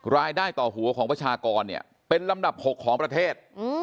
รายได้ต่อหัวของประชากรเป็นลำดับ๖ของประเทศ